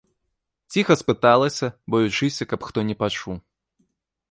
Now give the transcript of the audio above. Ціха спыталася, баючыся, каб хто не пачуў.